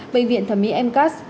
bệnh viện thẩm mỹ mcas